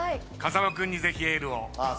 風間君にぜひエールを。